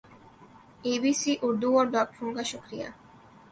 ی B C Urdu اور ڈاکٹروں کا شکری